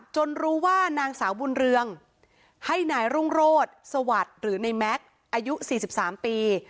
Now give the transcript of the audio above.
รู้ว่านางสาวบุญเรืองให้นายรุ่งโรธสวัสดิ์หรือในแม็กซ์อายุ๔๓ปี